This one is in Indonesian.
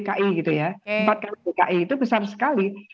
empat kali dki itu besar sekali